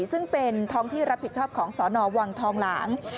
ซึ่งเป็นท้องที่รับผิดชอบของสนวังทองหลาง